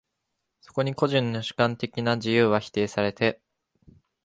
そこに個人の主観的な自由は否定されて、